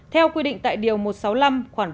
theo quy định tại điều một trăm sáu mươi năm khoảng bốn